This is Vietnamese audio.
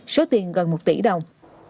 số tiền gần một tỷ đồng